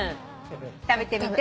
食べてみて。